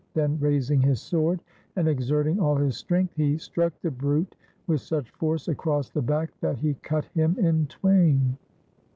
Then raising his sword and exerting all his strength, he struck the brute with such force across the back, that he cut him in twain.